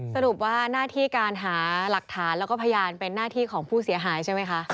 สรุปว่าหน้าที่การหาหลักฐานแล้วก็พยานเป็นหน้าที่ของผู้เสียหายใช่ไหมคะ